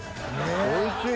おいしい！